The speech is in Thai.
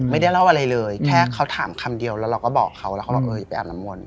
ไม่ได้เล่าอะไรเลยแค่เขาถามคำเดียวแล้วเราก็บอกเขาแล้วเขาบอกเออไปอาบน้ำมนต์